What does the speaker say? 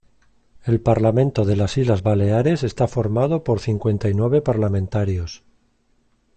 El Parlamento de las Islas Baleares está formado por cincuenta y nueve parlamentarios.